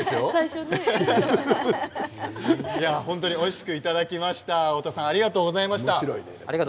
本当においしくいただきました太田さんありがとうございました。